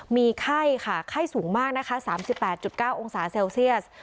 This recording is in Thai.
มีไข้ค่ะไข้สูงมากนะคะ๓๘๙องศาเซลเซียส